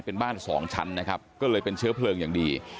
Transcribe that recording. เป็นบ้านสองชั้นนะครับก็เลยเป็นเชื้อเพลิงอย่างดี